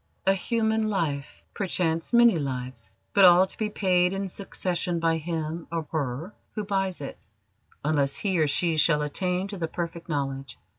"A human life perchance many lives but all to be paid in succession by him or her who buys it, unless he or she shall attain to the Perfect Knowledge."